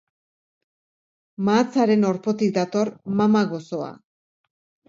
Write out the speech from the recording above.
Mahatsaren orpotik dator mama gozoa.